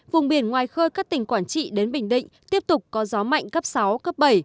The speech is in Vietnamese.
vùng biển ngoài khơi các tỉnh quảng trị đến bình định tiếp tục có gió mạnh cấp sáu cấp bảy